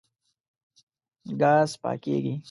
ګاز پاکېږي.